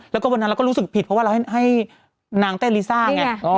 แล้วก็วันนั้นเราก็รู้สึกผิดเพราะว่าเราให้นางเต้นลิซ่าไง